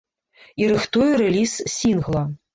І рыхтуе рэліз сінгла.